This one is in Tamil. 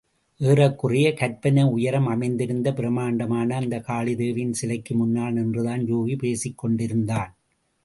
ஏறக்குறையக் கற்பனை உயரம் அமைந்திருந்த பிரம்மாண்டமான அந்தக் காளிதேவியின் சிலைக்கு முன்னால் நின்றுதான் யூகி பேசிக் கொண்டிருந்தான்.